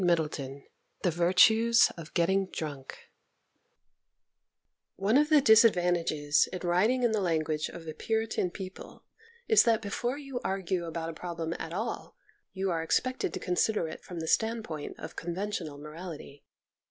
XX THE VIRTUES OF GETTING DRUNK ONE of the disadvantages of writing in the language of a Puritan people is that before you argue about a problem at all you are expected to consider it from the standpoint of conventional morality.